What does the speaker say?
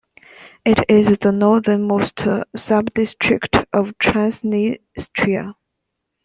It is the northernmost sub-district of Transnistria.